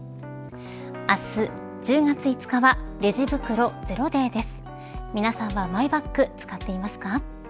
明日１０月５日はレジ袋ゼロデーです。